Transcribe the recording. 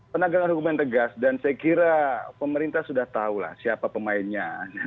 penegakan hukum yang tegas dan saya kira pemerintah sudah tahu lah siapa pemainnya